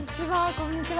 こんにちは。